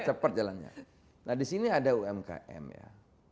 dapet jalannya nah di sini ada umkm ya